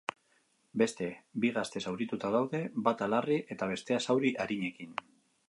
Beste bi gazte zaurituta daude, bata larri eta bestea zauri arinekin.